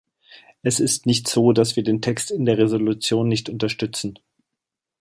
Es ist nicht so, dass wir den Text in der Resolution nicht unterstützen.